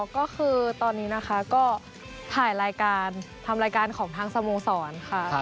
ก็คือตอนนี้นะคะก็ถ่ายรายการทำรายการของทางสโมสรค่ะ